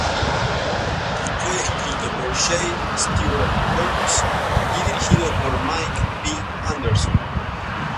Fue escrito por J. Stewart Burns y dirigido por Mike B. Anderson.